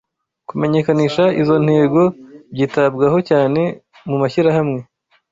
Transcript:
kumenyekanisha izo ntego byitabwaho cyane mu mashyirahamwe